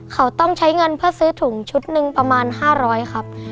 เขาต้องใช้เงินเพื่อซื้อถุงชุดหนึ่งประมาณ๕๐๐ครับ